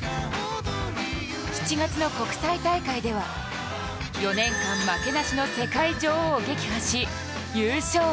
７月の国際大会では、４年間負けなしの世界女王を撃破し、優勝。